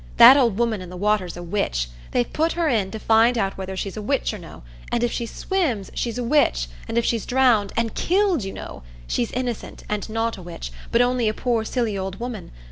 That old woman in the water's a witch,—they've put her in to find out whether she's a witch or no; and if she swims she's a witch, and if she's drowned—and killed, you know—she's innocent, and not a witch, but only a poor silly old woman.